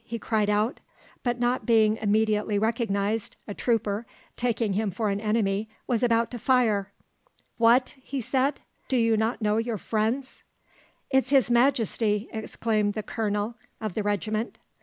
he cried out; but not being immediately recognised, a trooper, taking him for an enemy, was about to fire. "`What!' said he, `do you not know your friends?' "`It's his Majesty!' exclaimed the colonel of the regiment.